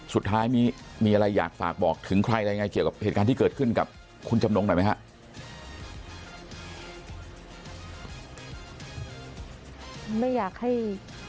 สุดท้ายมีอะไรอยากฝากบอกถึงใครอะไรยังไงเกี่ยวกับเหตุการณ์ที่เกิดขึ้นกับคุณจำนงหน่อยไหมครับ